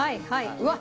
うわっ。